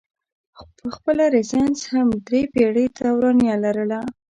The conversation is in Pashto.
پخپله رنسانس هم درې پیړۍ دورانیه لرله.